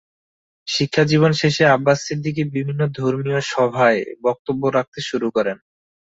শিক্ষা জীবন শেষে আব্বাস সিদ্দিকী বিভিন্ন ধর্মীয় সভায় বক্তব্য রাখতে শুরু করেন।